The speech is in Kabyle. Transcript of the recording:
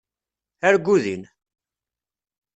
Argu din!